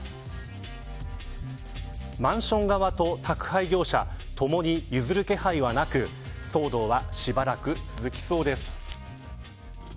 マンション側と宅配業者ともに譲る気配はなく騒動はしばらく続きそうです。